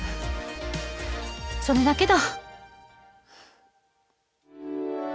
それだけだ。